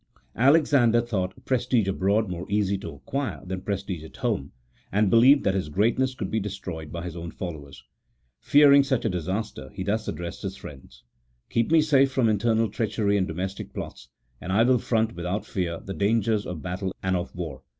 Alexander thought prestige abroad more easy to acquire than prestige at home, and believed that his greatness could be destroyed by his own followers. Fearing such a disaster, he thus addressed his friends: "Keep me safe from internal treachery and domestic plots, and I will front without fear the dangers of battle and of war.